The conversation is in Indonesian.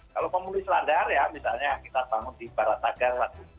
kalau memenuhi selandar ya misalnya kita bangun di baratagar